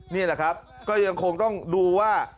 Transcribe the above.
นี่แหละครับก็ยังคงต้องดูว่า